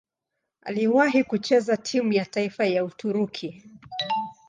Aliwahi kucheza timu ya taifa ya Uturuki.